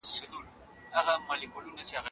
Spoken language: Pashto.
هغې پرده جګه کړه چې د کوڅې بوټي وګوري.